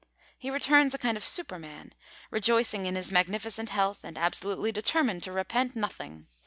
He returns a kind of Superman, rejoicing in his magnificent health and absolutely determined to repent nothing.